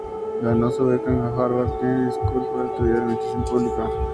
Ganó una beca en la Harvard Kennedy School para estudiar administración pública.